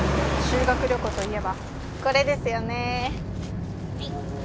修学旅行といえばこれですよね。